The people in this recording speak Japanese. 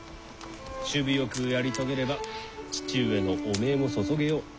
首尾よくやり遂げれば父上の汚名もそそげよう。